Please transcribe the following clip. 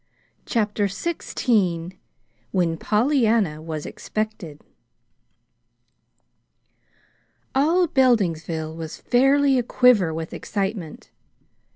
CHAPTER XVI WHEN POLLYANNA WAS EXPECTED All Beldingsville was fairly aquiver with excitement.